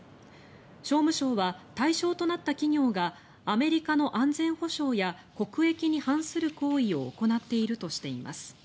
商務省は対象となった企業がアメリカの安全保障や国益に反する行為を行っているとしています。